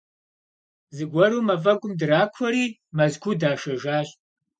Зыгуэру мафӀэгум дракуэри, Мэзкуу дашэжащ.